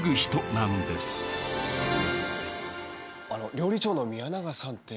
料理長の宮永さんって。